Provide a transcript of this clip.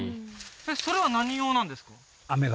それは何用なんですか？